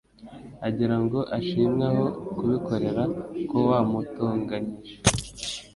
agirango ashimwe aho kubikorera ko wamutonganyije